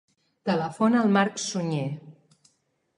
Telefona al Marc Suñe.